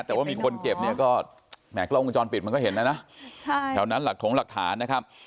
แต่ว่ามีคนเก็บเนี่ยก็แหมกล้องวงจรปิดมันก็เห็นแล้วนะแถวนั้นหลักถงหลักฐานนะครับ